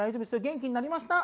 「元気になりました」